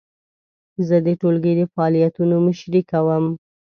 زه د ټولګي د فعالیتونو مشري کوم.